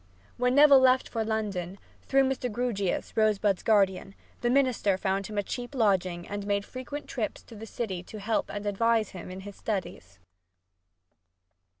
When Neville left for London, through Mr. Grewgious, Rosebud's guardian, the minister found him a cheap lodging and made frequent trips to the city to help and advise him in his studies.